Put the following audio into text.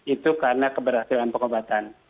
itu karena keberhasilan pengobatan